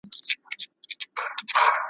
د خیرات په وخت کي د یتیم پزه ویني سي `